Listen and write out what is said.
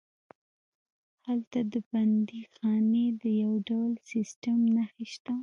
هلته د بندیخانې د یو ډول سیسټم نښې شته.